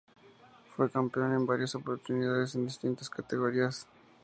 Fue campeón en varias oportunidades en distintas categorías.